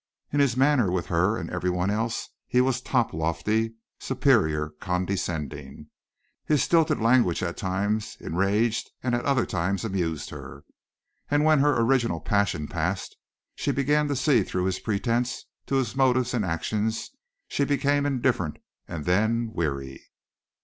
In his manner with her and everyone else he was top lofty, superior, condescending. His stilted language at times enraged and at other times amused her, and when her original passion passed and she began to see through his pretence to his motives and actions she became indifferent and then weary.